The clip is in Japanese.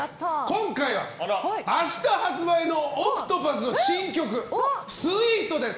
今回は、明日発売のＯＣＴＰＡＴＨの新曲「Ｓｗｅｅｔ」です。